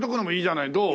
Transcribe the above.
どう？